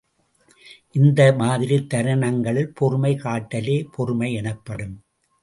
இந்த மாதிரித் தருணங்களில் பொறுமை காட்டலே பொறுமை எனப்படும்.